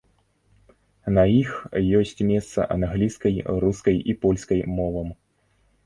На іх ёсць месца англійскай, рускай і польскай мовам.